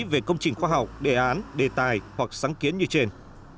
về công trình khoa học đề án đề tài hoặc sáng kiến như trên